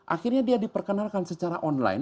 akhirnya dia diperkenalkan secara online